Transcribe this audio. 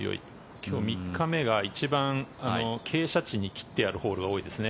今日３日目が一番傾斜地に切ってあるホールがありますね。